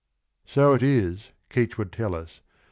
So it is, Keats would tell us.